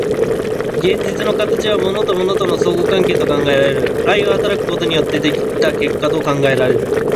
現実の形は物と物との相互関係と考えられる、相働くことによって出来た結果と考えられる。